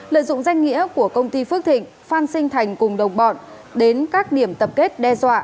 lợi dụng danh nghĩa của công ty phước thịnh phan sinh thành cùng đồng bọn đến các điểm tập kết đe dọa